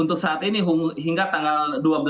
untuk saat ini hingga tanggal dua belas